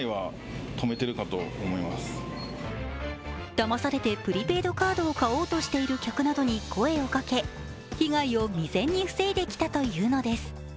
だまされてプリペイドカードを買おうとしている客などに声をかけ被害を未然に防いできたというのです。